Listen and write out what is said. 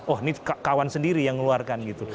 oh ini kawan sendiri yang ngeluarkan gitu